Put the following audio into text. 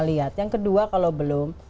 lihat yang kedua kalau belum